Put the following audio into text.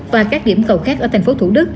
và các điểm cầu khác ở thành phố thủ đức